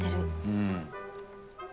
うん。